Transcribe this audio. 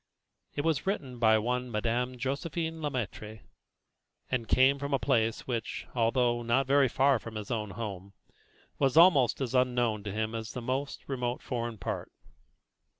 It was written by one Madame Josephine Le Maître, and came from a place which, although not very far from his own home, was almost as unknown to him as the most remote foreign part.